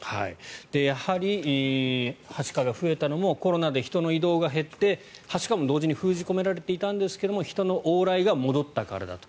やはりはしかが増えたのもコロナで人の移動が減ってはしかも同時に封じ込められていたんですが人の往来が戻ったからだと。